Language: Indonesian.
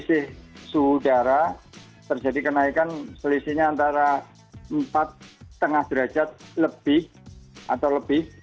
kondisi suhu udara terjadi kenaikan selisihnya antara empat lima derajat lebih atau lebih